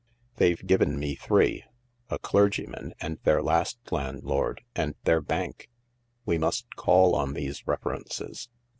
"They've given me three — a clergyman, and their last landlord, and their bank." " We must call on these references.